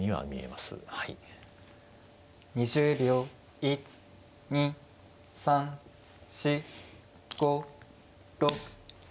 １２３４５６。